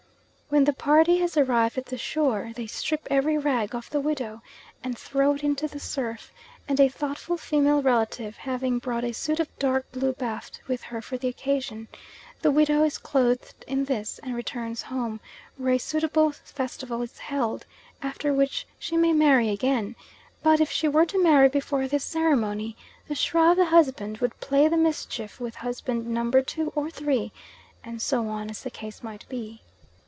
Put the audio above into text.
When the party has arrived at the shore, they strip every rag off the widow, and throw it into the surf; and a thoughtful female relative having brought a suit of dark blue baft with her for the occasion, the widow is clothed in this and returns home, where a suitable festival is held, after which she may marry again; but if she were to marry before this ceremony, the Srah of the husband would play the mischief with husband number two or three, and so on, as the case might be.